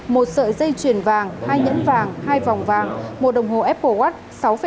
một sợi dây chuyền vàng hai nhẫn vàng hai vòng vàng một đồng hồ apple watch